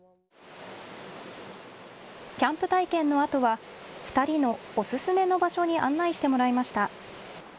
キャンプ体験のあとは２人のおすすめの場所に案内してもらいました。